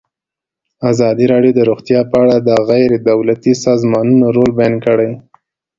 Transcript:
ازادي راډیو د روغتیا په اړه د غیر دولتي سازمانونو رول بیان کړی.